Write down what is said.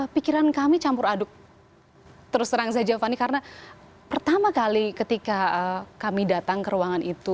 disitu pikiran kami campur aduk terus terang saya jawab fani karena pertama kali ketika kami datang ke ruangan ini